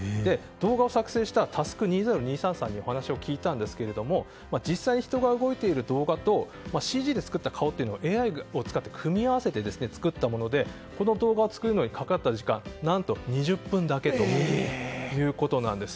動画を作成したＴＡＳＵＫＵ２０２３さんにお話を聞いたんですけど実際に人が動いている動画とＣＧで作った顔を組み合わせて作ったものでこの動画を作るのにかかった時間は何と２０分だけということなんです。